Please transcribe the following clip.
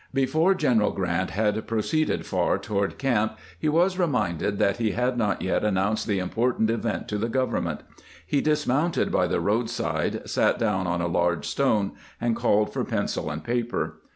Before General Grant had proceeded far toward camp he was reminded that he had not yet announced the important event to the government. He dismounted by the roadside, sat down on a large stone, and called for pencil and paper.